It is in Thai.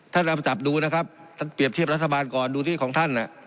ท่านทำจับดูนะครับเปรียบเทียบรัฐบาลก่อนดูที่ของท่าน